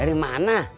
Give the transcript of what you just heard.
ini dari mana